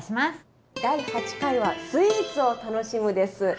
第８回は「スイーツを楽しむ」です。